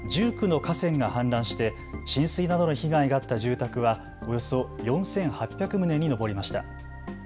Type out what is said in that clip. １９の河川が氾濫して浸水などの被害があった住宅はおよそ４８００棟に上りました。